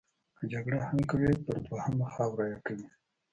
که جګړه هم کوي پر دویمه خاوره یې کوي.